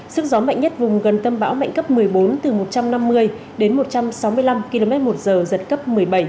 sức gió mạnh nhất vùng gần tâm bão mạnh cấp một mươi bốn từ một trăm năm mươi đến một trăm sáu mươi năm km một giờ giật cấp một mươi bảy